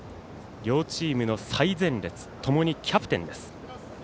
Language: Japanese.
両チームの最前列ともにキャプテンです。